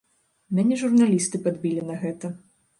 Мяне журналісты падбілі на гэта.